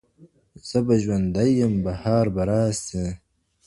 زه به ژوندی یم بهار به راسي